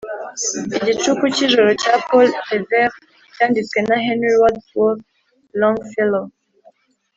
"igicuku cyijoro cya paul revere" cyanditswe na henry wadsworth longfellow